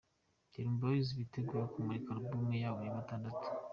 Dream Boyz biteguye kumurika album yabo ya gatandatu.